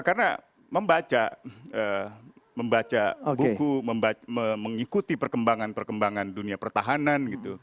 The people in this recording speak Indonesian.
karena membaca buku mengikuti perkembangan perkembangan dunia pertahanan